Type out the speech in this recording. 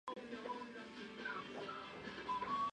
¿él hubiese partido?